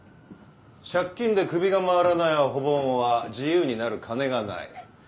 借金で首が回らないアホボンは自由になる金がない。